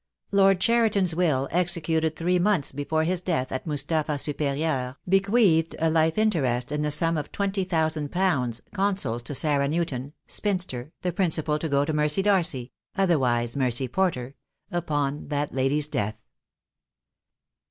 Lord Cheriton's will, executed three months before his death at Mustapha Superieure, bequeathed a life in terest in the sum of £ 20,000 Consols to Sarah Newton, spinster, the principal to go to Mercy Darcy — otherwise Mercy Porter — upon that lady's death.